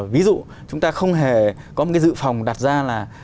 ví dụ chúng ta không hề có một cái dự phòng đặt ra là